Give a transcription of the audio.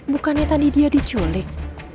bukannya tadi dia diculik